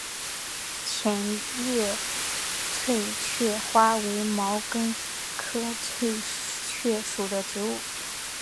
浅裂翠雀花为毛茛科翠雀属的植物。